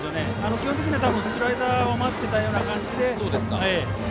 基本的にはスライダーを待ってたような感じで。